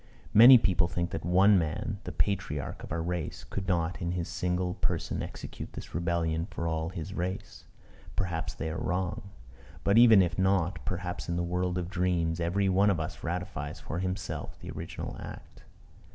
Many people think that one man, the patriarch of our race, could not in his single person execute this rebellion for all his race. Perhaps they are wrong. But, even if not, perhaps in the world of dreams every one of us ratifies for himself the original act.